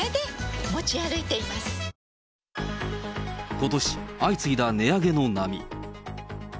ことし、相次いだ値上げの波。